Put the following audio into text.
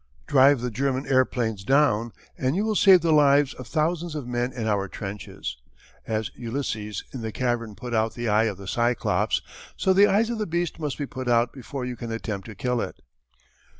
Drive the German airplanes down and you will save the lives of thousands of men in our trenches. As Ulysses in the cavern put out the eye of the Cyclops, so the eyes of the beast must be put out before you can attempt to kill it."